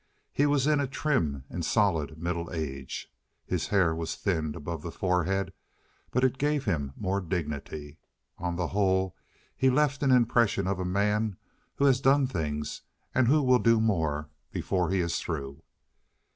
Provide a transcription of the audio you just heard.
He was in a trim and solid middle age. His hair was thinned above the forehead, but it gave him more dignity. On the whole, he left an impression of a man who has done things and who will do more before he is through.